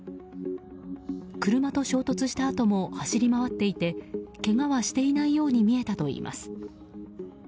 車と衝突したあとも走り回っていてけがはしていないように見えたといいます。